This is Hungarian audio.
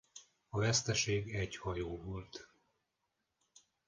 A veszteség egy hajó volt.